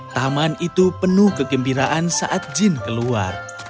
taman itu penuh kegembiraan saat jin keluar